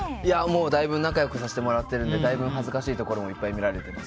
だいぶ仲良くさせてもらってるのでだいぶ恥ずかしいところもいっぱい見られてます。